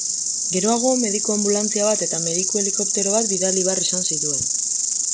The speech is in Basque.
Geroago, mediku-anbulantzia bat eta meduki-helikoptero bat bidali behar izan zituen.